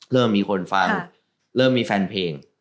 เริ่มมีคนฟังเริ่มมีแฟนเพลง